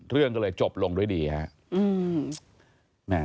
เรื่องก็เลยจบลงด้วยดีครับ